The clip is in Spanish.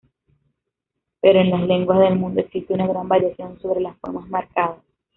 Pero en las lenguas del mundo existe una gran variación sobre las formas marcadas.